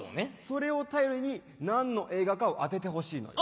それを頼りに何の映画かを当ててほしいのよ。